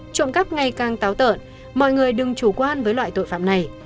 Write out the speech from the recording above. trộm cắp ngày càng táo tợn mọi người đừng chủ quan với loại tội phạm này